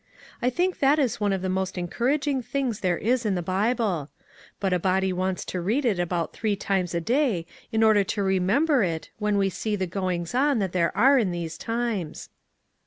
I think that is one of the most encourag ing things there is in the Bible ; but a body wants to read it about three times a day in order to remember it when we see the goings on that there are in these times."